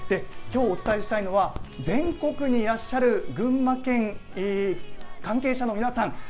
きょうお伝えしたいのは全国にいらっしゃる群馬県関係者の皆さん。